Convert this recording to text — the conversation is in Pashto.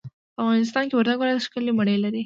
په افغانستان کي وردګ ولايت ښکلې مڼې لري.